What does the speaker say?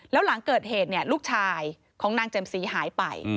แล้วหลังเกิดเหตุลูกชายของนางแจ่มสีหายไป